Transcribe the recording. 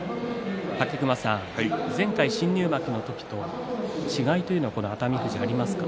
武隈さん、前回新入幕の時と違いというのは熱海富士、ありますか。